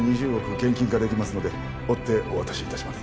現金化できますので追ってお渡しいたします